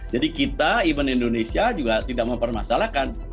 jadi kita iman indonesia juga tidak mempermasalahkan